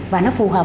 và nó phù hợp